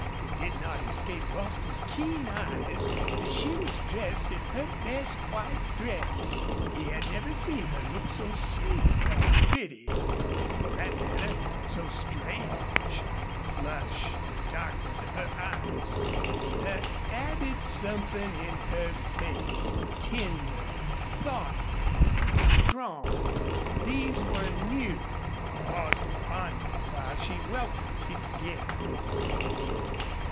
It did not escape Bostil's keen eyes that she was dressed in her best white dress. He had never seen her look so sweet and pretty, and, for that matter, so strange. The flush, the darkness of her eyes, the added something in her face, tender, thoughtful, strong these were new. Bostil pondered while she welcomed his guests.